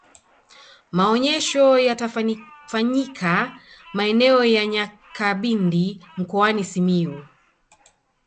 maonyesho yatafanyika maeneo ya nyakabindi mkoani simiyu